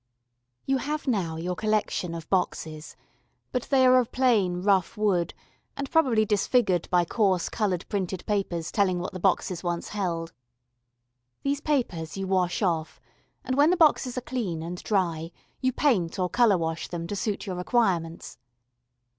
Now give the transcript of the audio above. ] You have now your collection of boxes but they are of plain, rough wood, and probably disfigured by coarse coloured printed papers telling what the boxes once held. These papers you wash off, and when the boxes are clean and dry, you paint or colour wash them to suit your requirements.